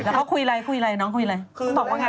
แล้วเขาคุยอะไรน้องคุยอะไร